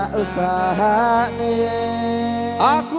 rapat dengan aku